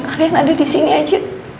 kalian ada disini aja